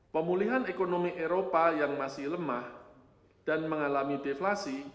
pemulihan ekonomi eropa yang masih lemah dan mengalami deflasi